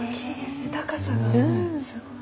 高さがすごい。